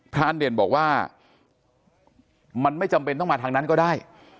รานเด่นบอกว่ามันไม่จำเป็นต้องมาทางนั้นก็ได้